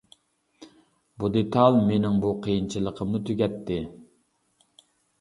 بۇ دېتال مېنىڭ بۇ قىيىنچىلىقىمنى تۈگەتتى.